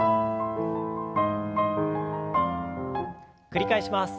繰り返します。